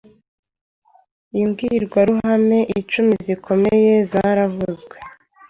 Imbwirwaruhame icumi zikomeye zavuzwe